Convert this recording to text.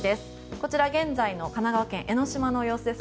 こちら、現在の神奈川県・江の島の様子です。